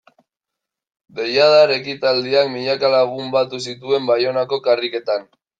Deiadar ekitaldiak milaka lagun batu zituen Baionako karriketan.